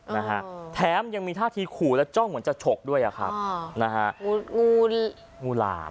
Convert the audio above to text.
นะฮะแถมยังมีท่าทีขู่และจ้องเหมือนจะฉกด้วยอ่ะครับอ่านะฮะงูงูนี่งูงูหลาม